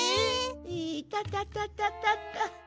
いたたたたたた。